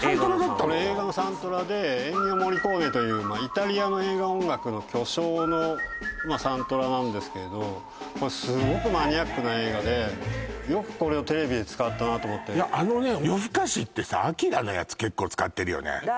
これ映画のサントラでエンニオ・モリコーネというイタリアの映画音楽の巨匠のサントラなんですけどこれすごくマニアックな映画でよくこれをテレビで使ったなと思ってあのね「ラダッダッ」ってやつですね